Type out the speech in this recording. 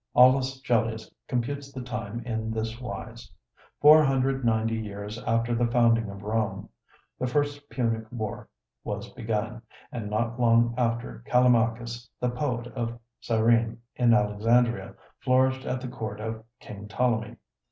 Aulus Gellius computes the time in this wise: "Four hundred ninety years after the founding of Rome, the first Punic war was begun, and not long after, Callimachus, the poet of Cyrene in Alexandria, flourished at the court of King Ptolemy."